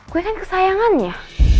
gue kan kesayangan ya